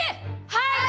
はい！